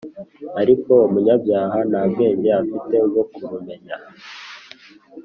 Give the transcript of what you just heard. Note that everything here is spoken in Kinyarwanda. ariko umunyabyaha nta bwenge afite bwo kurumenya